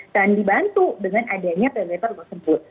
dan dibantu dengan adanya pay letter tersebut